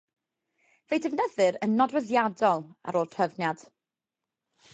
Fe'i defnyddir yn nodweddiadol ar ôl trefniad.